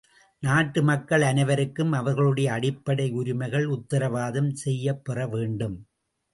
நாட்டு மக்கள் அனைவருக்கும் அவர்களுடைய அடிப்படை உரிமைகள் உத்தரவாதம் செய்யப் பெற வேண்டும்.